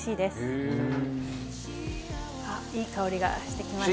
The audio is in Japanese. あっいい香りがしてきました。